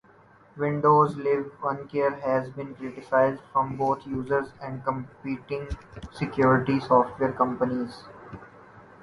Windows Live OneCare has been criticized from both users and competing security software companies.